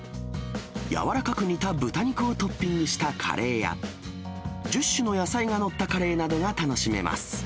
柔らかく煮た豚肉をトッピングしたカレーや、１０種の野菜が載ったカレーなどが楽しめます。